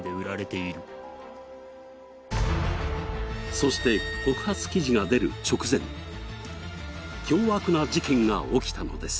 そして告発記事が出る直前、凶悪な事件が起きたのです。